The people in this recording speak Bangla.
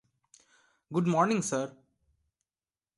Good morning, sir!